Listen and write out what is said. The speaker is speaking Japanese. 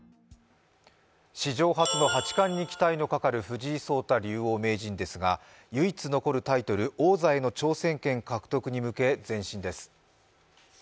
史上初の八冠に期待がかかる藤井聡太竜王名人ですが、唯一残るタイトル、王座への挑戦権獲得に向け前進です。